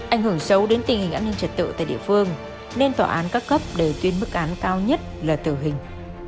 ảnh hưởng xấu đến tình hình an ninh trật tự tại địa phương nên tòa án các cấp đều tuyên mức án cao nhất là tử hình